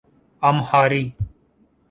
امہاری